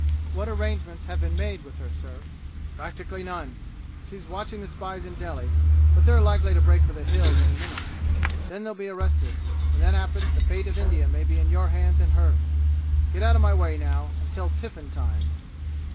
"What arrangements have been made with her, sir?" "Practically none! She's watching the spies in Delhi, but they're likely to break for the 'Hills' any minute. Then they'll be arrested. When that happens the fate of India may be in your hands and hers! Get out of my way now, until tiffin time!"